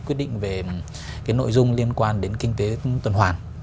quyết định về cái nội dung liên quan đến kinh tế tuần hoàn